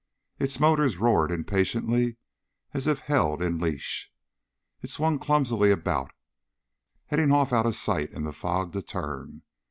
Its motors roared impatiently as if held in leash. It swung clumsily about, heading off out of sight in the fog to turn.